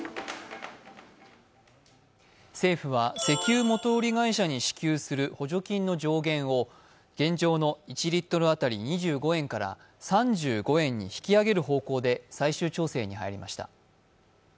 政府は石油元売り会社に支給する補助金の上限を現状の１リットル当たり２５円から３５円に引き上げる方向で最終調整に入りました。